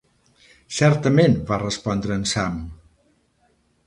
"Certament" va respondre en Sam.